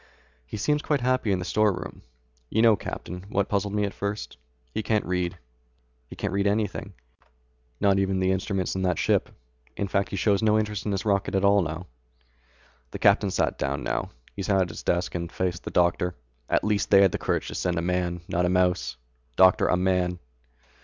"He seems quite happy in the storeroom. You know, Captain, what puzzled me at first? He can't read. He can't read anything, not even the instruments in that ship. In fact he shows no interest in his rocket at all." The captain sat down now. He sat at the desk and faced the doctor. "At least they had the courage to send a man, not a mouse. Doctor, a man."